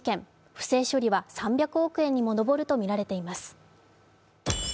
不正処理は３００億円にも上るとみられています。